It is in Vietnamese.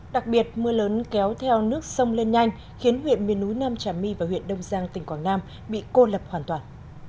đặc biệt mưa lớn kéo theo nước sông lên nhanh khiến huyện miền núi nam trà my và huyện đông giang tỉnh quảng nam bị cô lập hoàn toàn